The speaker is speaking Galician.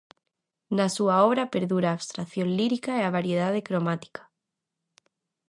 Na súa obra perdura a abstracción lírica e a variedade cromática.